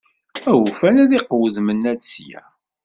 Awufan ad iqewwed Mennad ssya.